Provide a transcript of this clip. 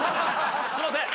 すいません。